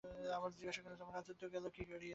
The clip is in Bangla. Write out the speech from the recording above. আবার জিজ্ঞাসা করিলেন, তোমার রাজত্ব গেল কী করিয়া?